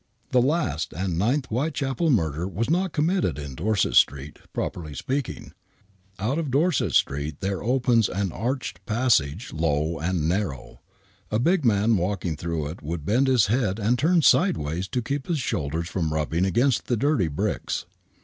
The last and ninth Whitechapel murder was not committed in Dorset Street, properly speaking. Out of Dorset Street there opens an arched passage low and narrow. A big man walking through it would bend his head and turn sideways to keep his shoulders from rubbing against the dirty bricks.